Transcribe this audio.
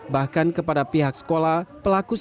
bahkan kepada pihak sekolah pelaku sempat mengambil kursi